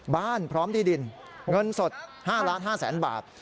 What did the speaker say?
พร้อมที่ดินเงินสด๕๕๐๐๐๐บาท